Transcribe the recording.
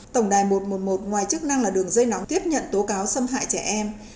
tổng đài một trăm một mươi một ngoài chức năng là đường dây nóng tiếp nhận tố cáo xâm hại trẻ em